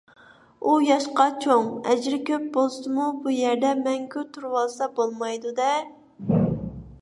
ئۇ ياشقا چوڭ، ئەجرى كۆپ بولسىمۇ، بۇ يەردە مەڭگۈ تۇرۇۋالسا بولمايدۇ - دە.